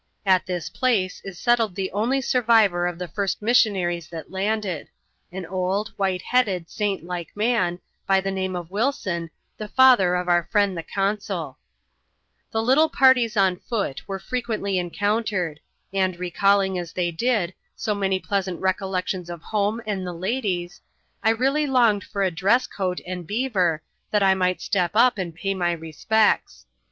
At this place is settled the nly survivor of the first missionaries that landed — an old, rhite headed, saint like man, by the name of Wilson, the father f our friend the consul The little parties on foot were frequently encountered ; and, Bcalling, as they did, so many pleasant recollections of home nd the ladies, I really longed for a dress coat and beaver, that might step up and pay my respects.